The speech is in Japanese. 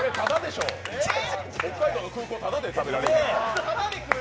北海道の空港で、ただで食べられる。